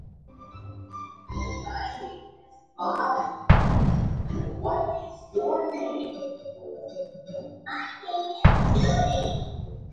Seperti janggut pulang ke dagu